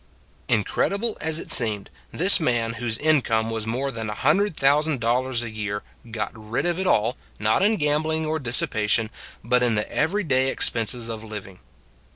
Incredible as it seemed, this man whose income was more than a hundred thousand 128 Learning to Do Without 129 dollars a year got rid of it all, not in gambling or dissipation, but in the every day expenses of living.